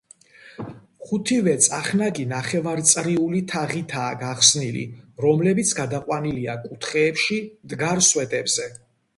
ხუთივე წახნაგი ნახევარწრიული თაღითაა გახსნილი, რომლებიც გადაყვანილია კუთხეებში მდგარ სვეტებზე.